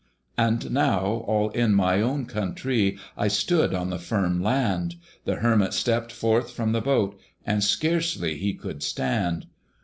And now, all in my own countree, I stood on the firm land! The Hermit stepped forth from the boat, And scarcely he could stand.